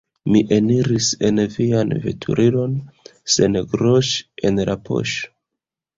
Mi eniris en vian veturilon sen groŝ' en la poŝ'